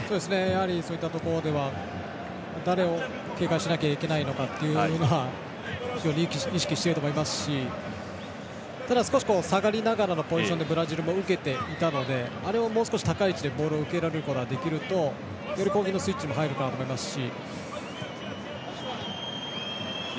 そういったところでは誰を警戒しなきゃいけないのかっていうのは非常に意識していると思いますしただ、少し下がりながらのポジションでブラジルも受けていたのであれをもう少し高い位置でボールを受けることができるとより攻撃のスイッチも入るかなと思いますし。